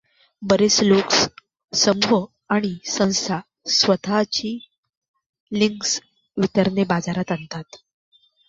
बरेच लोक, समूह आणि संस्था स्वतःची लिनक्स वितरणे बाजारात आणतात.